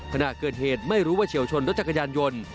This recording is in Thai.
ขณะเกิดเหตุไม่รู้ว่าเฉียวชนรถจักรยานยนต์